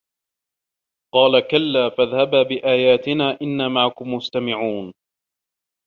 قالَ كَلّا فَاذهَبا بِآياتِنا إِنّا مَعَكُم مُستَمِعونَ